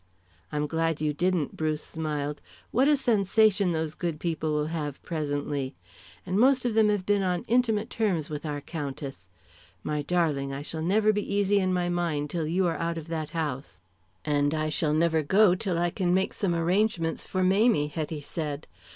"I'm glad you didn't," Bruce smiled. "What a sensation those good people will have presently! And most of them have been on intimate terms with our Countess. My darling, I shall never be easy in my mind till you are out of that house." "And I shall never go till I can make some arrangements for Mamie," Hetty said.